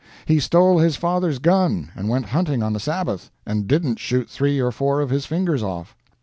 He stole his father's gun and went hunting on the Sabbath, and didn't shoot three or four of his fingers off.